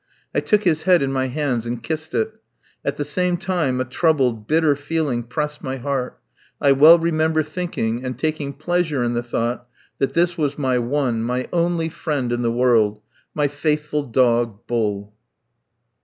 I took his head in my hands and kissed it. At the same time a troubled, bitter feeling pressed my heart. I well remember thinking and taking pleasure in the thought that this was my one, my only friend in the world my faithful dog, Bull.